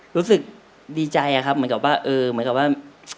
รู้สึกดีใจอะครับเหมือนกับว่าเออเหมือนกับว่า